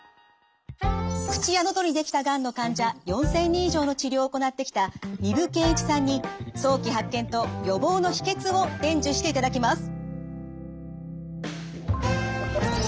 口や喉にできたがんの患者４，０００人以上の治療を行ってきた丹生健一さんに早期発見と予防の秘訣を伝授していただきます。